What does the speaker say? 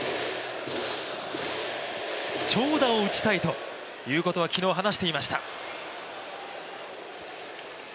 長打を打ちたいということは昨日話していました。